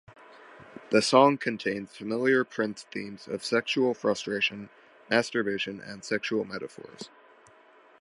The song contains familiar Prince themes of sexual frustration, masturbation and sexual metaphors.